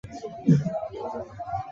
动差又被称为矩。